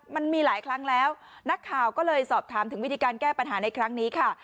มันมีหลายครั้งแล้วนักข่าวก็เลยสอบถามถึงวิธีการแก้ปัญหาในครั้งนี้ค่ะ